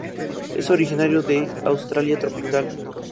Es originario de Australia tropical.